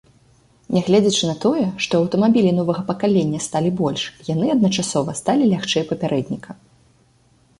Нягледзячы на тое, што аўтамабілі новага пакалення сталі больш, яны адначасова сталі лягчэй папярэдніка.